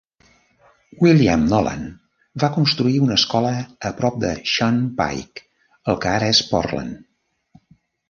William Nolan va construir una escola a prop de Shun Pike, el que ara és Portland.